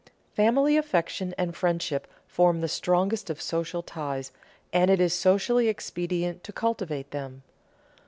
Family affection and friendship form the strongest of social ties, and it is socially expedient to cultivate them.